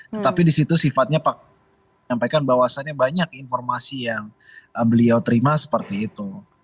tetapi disitu sifatnya pak sampaikan bahwasannya banyak informasi yang beliau terima seperti itu